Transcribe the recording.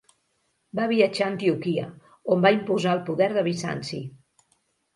Va viatjar a Antioquia, on va imposar el poder de Bizanci.